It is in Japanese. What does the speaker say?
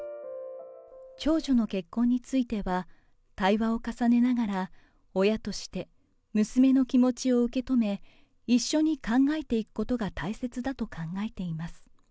長女の結婚については、対話を重ねながら、親として、娘の気持ちを受け止め、一緒に考えていくことが大切だと考えています。